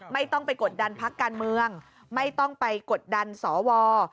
ไม่ต้องไปกดดันพักการเมืองไม่ต้องไปกดดันสว